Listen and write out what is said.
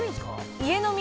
◆家飲み。